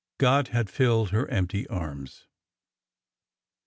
God had filled her empty arms